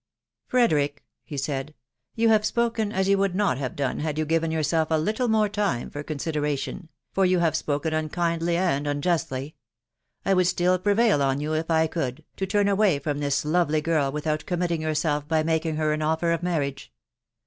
44 Frederick," he said, " you have spoken as you would not •have done had you given yourself a little more time for consi •deration, .... for you have spoken unkindly and unjustly. I would still prevail on you, if I could, to turn away from this lovely girl without committing yourself by making her an offer of marriage.